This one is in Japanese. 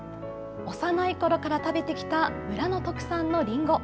幼いころから食べてきた村の特産のりんご。